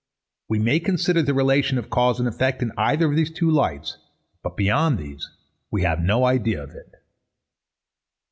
_ We may consider the relation of cause and effect in either of these two lights; but beyond these, we have no idea of it.